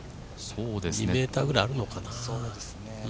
２ｍぐらいあるのかな。